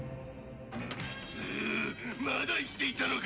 「ううまだ生きていたのか！」